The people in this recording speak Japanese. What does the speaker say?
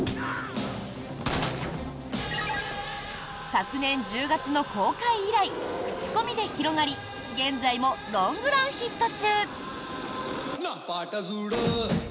昨年１０月の公開以来口コミで広がり現在もロングランヒット中！